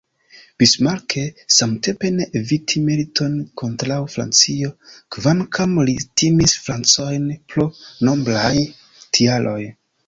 Bismarck, samtempe, ne eviti militon kontraŭ Francio, kvankam li timis Francojn pro nombraj tialoj.